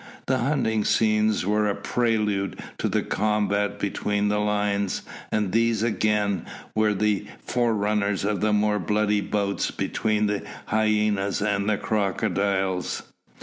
The hunting scenes were a prelude to the combat between the lions, and these again were the forerunners of a more bloody bout between the hyenas and the crocodiles.